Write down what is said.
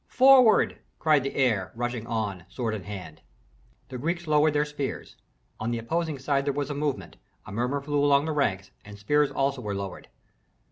"Forward!" cried the heir, rushing on, sword in hand. The Greeks lowered their spears. On the opposing side there was a movement, a murmur flew along the ranks, and spears also were lowered.